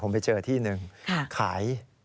ผมไปเจอที่หนึ่งขาย